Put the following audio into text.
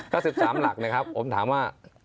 ก็๑๓หลักนะครับผมถามว่า